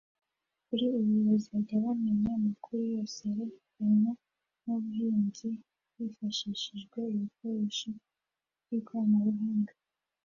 Kuri ubu bazajya bamenya amakuru yose yerekeranye n’ubuhinzi hifashishijwe ibikoresho by’ikoranabuhanga